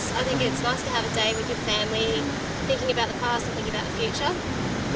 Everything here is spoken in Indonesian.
saya pikir itu bagus untuk memiliki hari dengan keluarga berpikir tentang masa depan dan masa depan